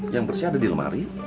yang bersih ada di lemari